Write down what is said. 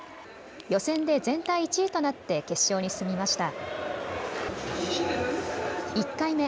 予選で全体１位となって決勝に進みました。